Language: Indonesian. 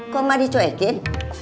kok mau dicuekin